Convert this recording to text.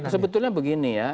sebetulnya begini ya